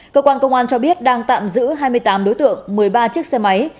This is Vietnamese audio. cơ quan công an cho biết đang tạm giữ hai mươi tám đối tượng một mươi ba chiếc xe máy